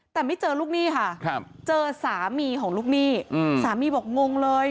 แต่ไม่เจอลูกหนี้ค่ะเจอสามีของลูกหนี้สามีบอกงงเลย